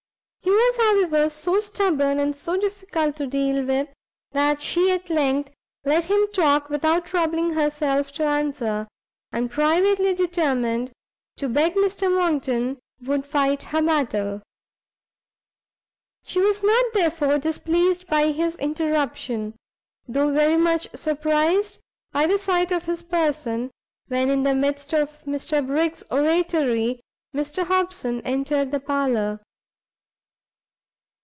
He was, however, so stubborn and so difficult to deal with, that she at length let him talk without troubling herself to answer, and privately determined to beg Mr Monckton would fight her battle. She was not, therefore, displeased by his interruption, though very much surprised by the sight of his person, when, in the midst of Mr Briggs's oratory, Mr Hobson entered the parlour.